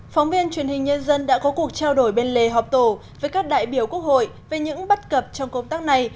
phóng viên truyền hình nhân dân đã có cuộc trao đổi bên lề họp tổ với các đại biểu quốc hội về những bất cập trong công tác này